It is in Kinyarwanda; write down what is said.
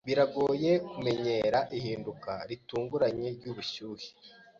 Biragoye kumenyera ihinduka ritunguranye ryubushyuhe.